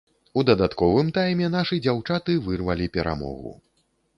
У дадатковым тайме нашы дзяўчаты вырвалі перамогу.